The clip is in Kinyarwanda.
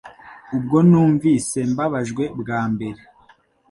ubwo numvise mbabajwe bwa mbere